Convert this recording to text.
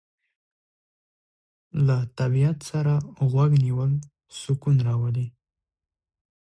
له طبیعت سره غوږ نیول سکون راولي.